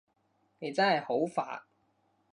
你真係好煩